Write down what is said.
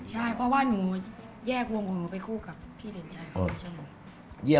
ชมหนูกันไปแรกเลย